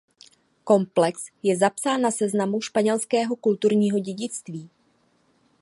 Komplex je zapsán na seznamu španělského kulturního dědictví.